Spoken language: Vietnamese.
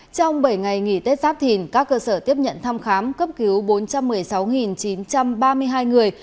trong bảy ngày nghỉ tết giáp thìn các cơ sở tiếp nhận thăm khám cấp cứu bốn trăm một mươi sáu chín trăm ba mươi hai người